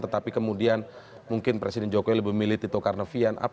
tetapi kemudian mungkin presiden jokowi lebih memilih tito karnavian